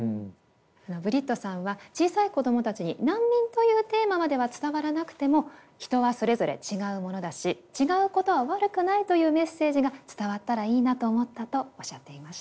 ブリットさんは小さい子どもたちに難民というテーマまでは伝わらなくても「人はそれぞれ違うものだし違うことは悪くない」というメッセージが伝わったらいいなと思ったとおっしゃっていました。